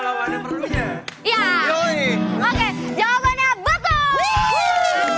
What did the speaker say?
oke jawabannya betul